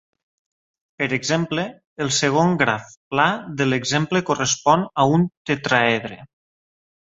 Per exemple, el segon graf pla de l'exemple correspon a un tetràedre.